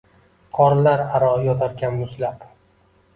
Qorlar aro yotarkan muzlab